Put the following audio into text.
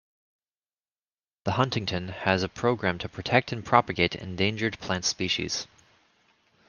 The Huntington has a program to protect and propagate endangered plant species.